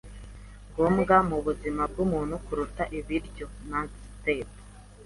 Gusinzira ntabwo ari ngombwa mubuzima bwumuntu kuruta ibiryo. (nadsat)